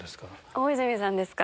大泉さんですか？